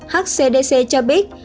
hcdc cho biết